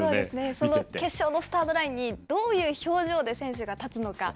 その決勝のスタートラインに、どういう表情で選手が立つのか。